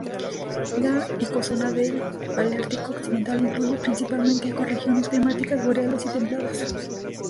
La ecozona del Paleártico Occidental incluye principalmente ecorregiones climáticas boreales y templadas.